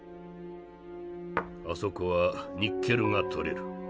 あそこはニッケルが採れる。